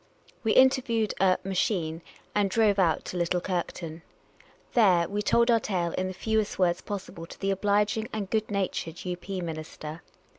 We interviewed a "machine" and drove out to Little Kirkton. Tlh.Te, we told our tale in the fewest words possi ble to the obliging and good natured II. P. minister.